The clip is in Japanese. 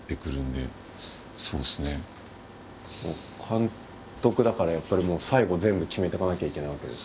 監督だからやっぱりもう最後全部決めてかなきゃいけないわけですもんね。